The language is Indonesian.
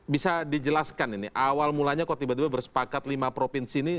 bisa dijelaskan ini awal mulanya kok tiba tiba bersepakat lima provinsi ini